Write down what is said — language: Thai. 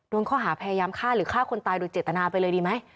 โดนข้อหาพยายามฆ่าหรือฆ่าคนตายโดยเจตนาไปเลยดีไหม